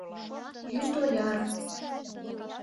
Йӱд ояр.